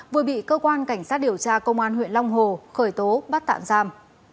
vừa bị cơ quan cảnh sát điều tra công an huyện long hồ khởi tố bắt tạm giam